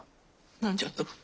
何じゃと？